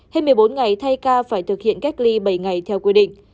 hết một mươi bốn ngày thay ca phải thực hiện cách ly bảy ngày theo quy định